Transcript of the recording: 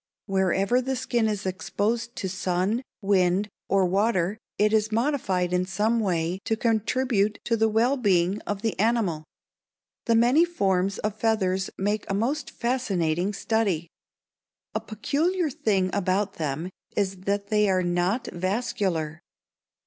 Wherever the skin is exposed to sun, wind, or water it is modified in some way to contribute to the well being of the animal. The many forms of feathers make a most fascinating study. A peculiar thing about them is that they are not vascular.